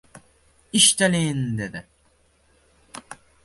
«Ishtalin» dedi!